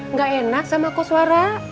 nggak enak sama kos warah